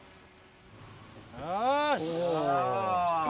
よし！